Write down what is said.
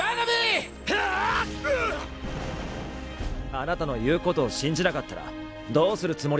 あなたの言うことを信じなかったらどうするつもりだったんですか。